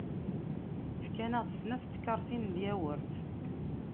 Fkan-aɣ-d snat n tkaṛtin n lyawert.